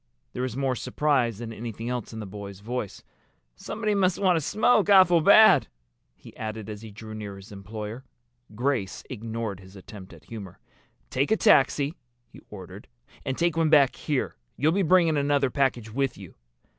There was more surprise than anything else in the boy's voice. "Somebody must want a smoke awful bad," he added as he drew near his employer. Grace ignored his attempt at humor. "Take a taxi," he ordered. "And take one back here. You'll be bringing another package with you."